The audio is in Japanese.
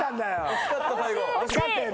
惜しかったよね。